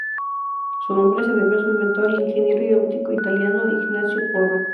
Su nombre se debe a su inventor, el ingeniero y óptico italiano Ignazio Porro.